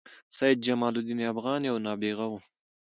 سيدجمال الدين افغان یو نابغه وه